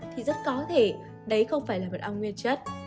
thì rất có thể đấy không phải là mật ong nguyên chất